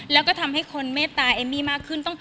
แล้วก็ทำให้คนเมตตาเอมมี่มากขึ้น